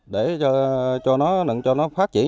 để cho nó cho nó phát triển